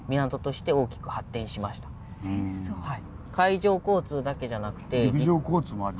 はい。